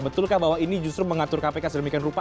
betulkah bahwa ini justru mengatur kpk sedemikian rupa